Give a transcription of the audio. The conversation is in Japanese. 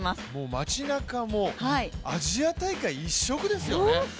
町なかも、アジア大会一色ですよね。